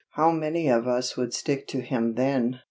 How many of us would stick to Him then?